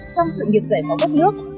trong sự nghiệp giải phóng đất nước